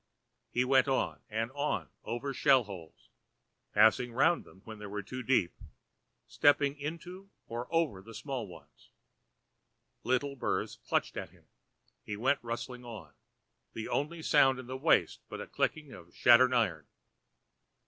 He went on and on over shell holes, passing round them where they were deep, stepping into or over the small ones. Little burrs clutched at him; he went rustling on, the only sound in the waste but the clicking of shattered iron.